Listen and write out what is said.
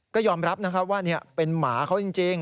ก็ยอมรับนะครับว่าเป็นหมาเขาจริง